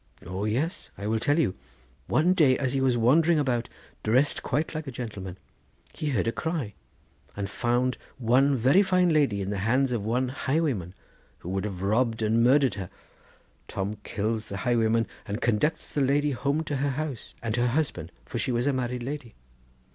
"O yes; I will tell you. One day as he was wandering about, dressed quite like a gentleman, he heard a cry, and found one very fine lady in the hands of one highwayman, who would have robbed and murdered her. Tom kills the highwayman and conducts the lady home to her house and her husband, for she was a married lady.